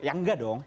ya enggak dong